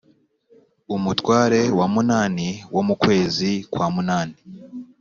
umutware wa munani wo mu kwezi kwa munani